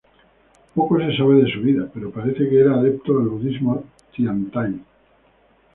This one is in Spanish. Poco se sabe de su vida, pero parece que era adepto al budismo tiantai.